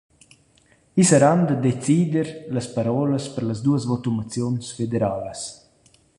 I saran da decider las parolas per las duos votumaziuns federalas.